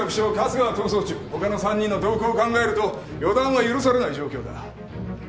他の３人の動向を考えると予断は許されない状況だ。